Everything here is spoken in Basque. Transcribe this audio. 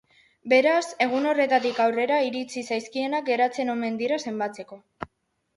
Beraz, egun horretatik aurrera iritsi zaizkienak geratzen omen dira zenbatzeko.